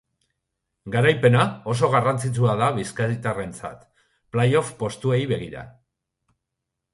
Garaipena oso garrantzitsua da bizkaitarrentzat, playoff postuei begira.